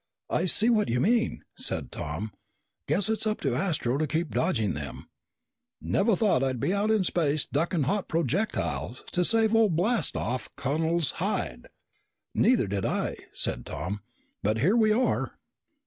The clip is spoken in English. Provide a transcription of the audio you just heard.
"I see what you mean," said Tom. "Guess it's up to Astro to keep dodging them." "Never thought I'd be out in space ducking hot projectiles to save old Blast off Connel's hide." "Neither did I," said Tom. "But here we are."